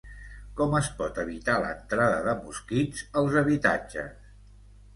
Com es pot evitar l’entrada de mosquits als habitatges?